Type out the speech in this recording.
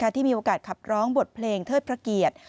ที่มีโอกาสขับร้องบทเพลงเทิดพระเกียรติ